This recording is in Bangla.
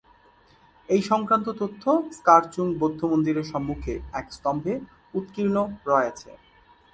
এই সংক্রান্ত তথ্য স্কার-চুং বৌদ্ধ মন্দিরের সম্মুখে এক স্তম্ভে উৎকীর্ণ রয়াছে।